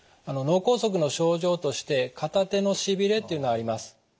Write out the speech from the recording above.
脳梗塞の症状として片手のしびれっていうのはあります。